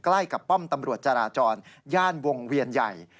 ใกล้กับป้อมตำรวจจราจรย่านวงเวียนใหญ่